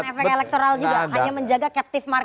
tidak mau berikan efek elektoral juga hanya menjaga captive market